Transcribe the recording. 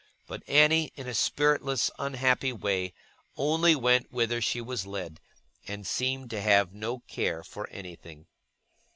But Annie, in a spiritless unhappy way, only went whither she was led, and seemed to have no care for anything.